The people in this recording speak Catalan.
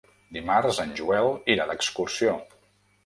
Dimarts en Joel irà d'excursió.